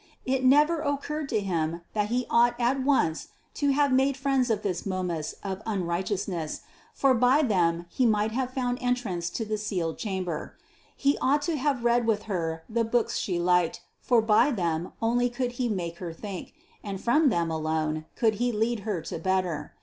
It never occurred to him that he ought at once to have made friends of this Momus of unrighteousness, for by them he might have found entrance to the sealed chamber. He ought to have read with her the books she did like, for by them only could he make her think, and from them alone could he lead her to better.